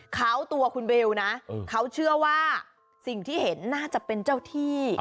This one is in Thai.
เขาตัวคุณเบลนะเขาเชื่อว่าสิ่งที่เห็นน่าจะเป็นเจ้าที่